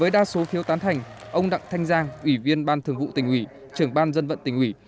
với đa số phiếu tán thành ông đặng thanh giang ủy viên ban thường vụ tỉnh ủy trưởng ban dân vận tỉnh ủy